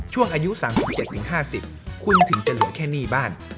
ช่วงอายุ๓๗๕๐คุณถึงจะเหลือแค่หนี้บ้าน